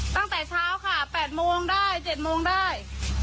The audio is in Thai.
ตั้งแต่เช้าค่ะ๘โมงได้๗โมงได้